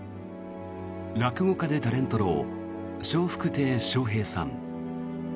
落語家でタレントの笑福亭笑瓶さん。